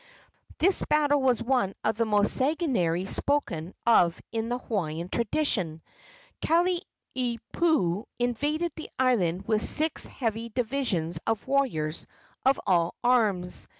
This battle was one of the most sanguinary spoken of in Hawaiian tradition. Kalaniopuu invaded the island with six heavy divisions of warriors of all arms.